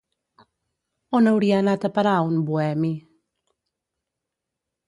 On hauria anat a parar, un "boemi"?